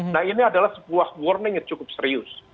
nah ini adalah sebuah warning yang cukup serius